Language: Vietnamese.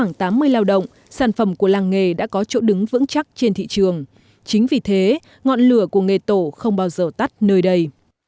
các sản phẩm của làng nghề đã có chỗ đứng vững chắc trên thị trường chính vì thế ngọn lửa của nghề tổ không bao giờ tắt nơi đây